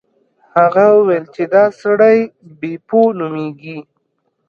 هغه وویل چې دا سړی بیپو نومیږي.